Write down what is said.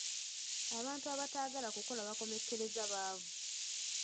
Abantu abataagala kukola bakomekkereza baavu.